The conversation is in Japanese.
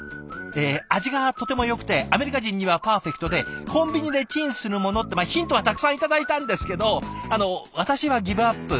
え味がとてもよくてアメリカ人にはパーフェクトでコンビニでチンするものってヒントはたくさん頂いたんですけどあの私はギブアップ。